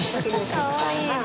かわいい。